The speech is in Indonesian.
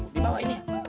di bawah ini ya